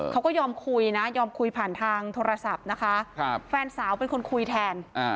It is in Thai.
เขาก็ยอมคุยนะยอมคุยผ่านทางโทรศัพท์นะคะแฟนสาวเป็นคนคุยแทน